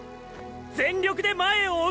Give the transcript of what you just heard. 全力で前を追う！！